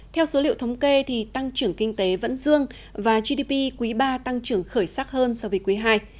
theo số liệu thống kê tăng trưởng kinh tế vẫn dương và gdp quý iii tăng trưởng khởi sắc hơn so với quý ii